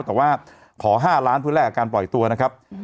แต่ว่าขอ๕ล้านเพื่อแลกกับการปล่อยตัวนะครับ